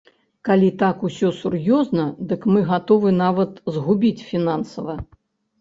Калі так усё сур'ёзна, дык мы гатовы нават згубіць фінансава.